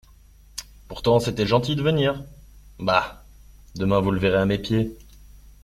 Pourtant, c'était gentil de venir … Bah ! demain vous le verrez à mes pieds.